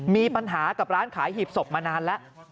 มีปัญหากับร้านขายหีบศพมานานแล้ว